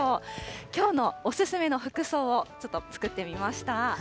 きょうのお勧めの服装を、ちょっと作ってみました。